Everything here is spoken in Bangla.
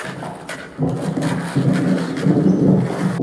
নগদ অর্থের লেনদেন যেখানে ঘনিষ্ঠভাবে জড়িত, মধুলোভী মৌমাছির ভিড় সেখানে স্বাভাবিক।